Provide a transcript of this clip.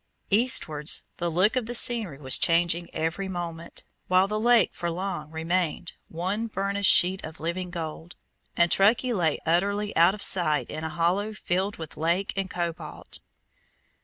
Eastwards the look of the scenery was changing every moment, while the lake for long remained "one burnished sheet of living gold," and Truckee lay utterly out of sight in a hollow filled with lake and cobalt.